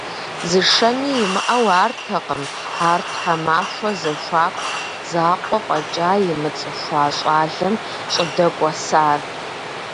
Зышэни имыӏэу артэкъым ар тхьэмахуэ зэхуаку закъуэ фӏэкӏа имыцӏыхуа щӏалэм щӏыдэкӏуэсар.